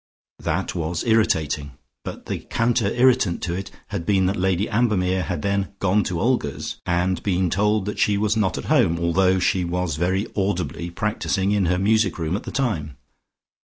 That was irritating, but the counter irritant to it had been that Lady Ambermere had then gone to Olga's, and been told that she was not at home, though she was very audibly practising in her music room at the time.